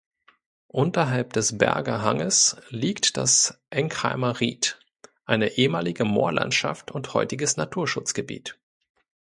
Unterhalb des "Berger Hanges" liegt das "Enkheimer Ried", eine ehemalige Moorlandschaft und heutiges Naturschutzgebiet.